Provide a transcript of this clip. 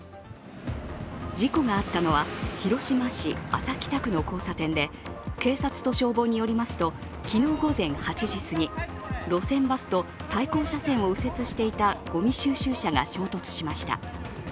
事故があったのは広島市安佐北区の交差点で警察と消防によりますと、昨日午前８時過ぎ路線バスと対向車線を右折していたごみ収集車が衝突しました。